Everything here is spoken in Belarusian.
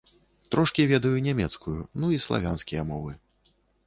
Трошкі ведаю нямецкую, ну і славянскія мовы.